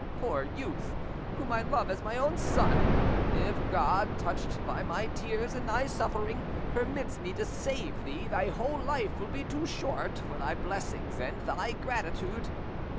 Poor youth! whom I love as my own son, if God, touched by my tears and thy suffering, permits me to save thee, thy whole life will be too short for thy blessings and thy gratitude!"